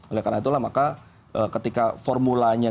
oleh karena itulah maka ketika formulanya